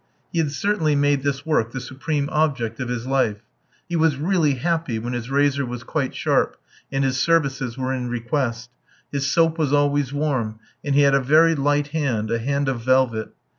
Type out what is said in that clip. He had certainly made this work the supreme object of his life; he was really happy when his razor was quite sharp and his services were in request; his soap was always warm, and he had a very light hand a hand of velvet.